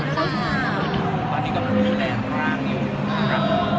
ตอนนี้มันมีแรงร่างอยู่ครับ